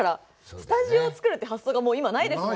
スタジオを作るって発想がもう今ないですもんね。